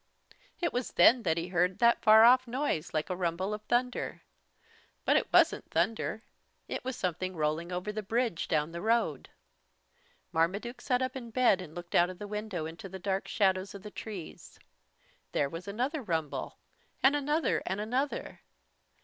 It was then that he heard that far off noise like a rumble of thunder. But it wasn't thunder. It was something rolling over the bridge down the road. Marmaduke sat up in bed and looked out of the window into the dark shadows of the trees. There was another rumble, and another and another.